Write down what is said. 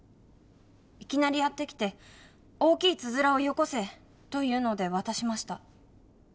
いきなりやって来て「大きいつづらをよこせ」と言うので渡しました。